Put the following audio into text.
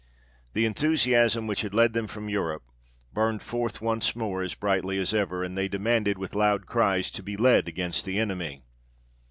The enthusiasm which had led them from Europe, burned forth once more as brightly as ever, and they demanded, with loud cries, to be led against the enemy.